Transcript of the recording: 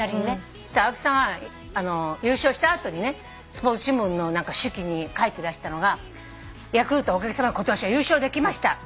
そしたら青木さんは優勝した後にねスポーツ新聞の手記に書いてらしたのが「ヤクルトおかげさまで今年は優勝できました」